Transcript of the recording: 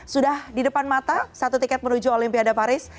sudah di depan mata satu tiket menuju olimpiade paris